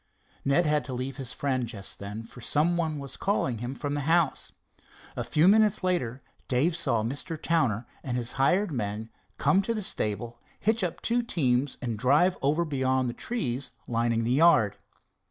Ned had to leave his friend just then, for some one was calling him from the house. A few minutes later Dave saw Mr. Towner and his hired men come to the stable, hitch up two teams and drive over beyond the trees lining the yard.